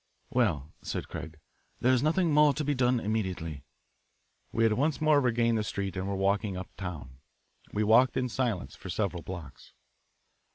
"Well," said Craig, "there is nothing more to be done immediately." We had once more regained the street and were walking up town. We walked in silence for several blocks.